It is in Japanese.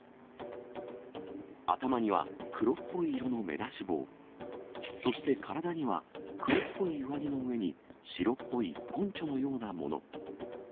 頭には黒っぽい色の目出し帽、そして体には、黒っぽい上着の上に、白っぽいポンチョのようなもの。